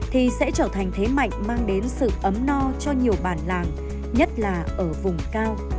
thì sẽ trở thành thế mạnh mang đến sự ấm no cho nhiều bản làng nhất là ở vùng cao